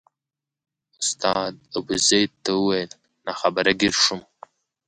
استاد ابوزید ته وویل ناخبره ګیر شوم.